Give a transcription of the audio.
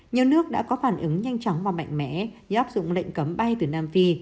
nhiều nước đã có phản ứng nhanh chóng và mạnh mẽ như áp dụng lệnh cấm bay từ nam phi